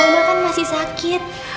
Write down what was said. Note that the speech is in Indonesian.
oma kan masih sakit